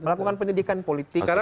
melakukan pendidikan politik